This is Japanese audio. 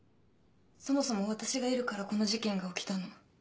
そもそも私がいるからこの事件が起きたの。